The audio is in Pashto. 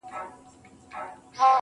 څو صفت د ګګیاڼیو نجونو زۀ کړمه